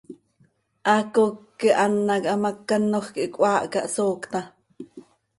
¡Haaco quih an hac hamác canoj quih cöhaahca, hsoocta!